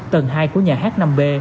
tầng hai của nhà hát năm b